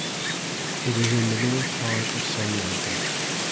It is in the lower part of Sun Mountain.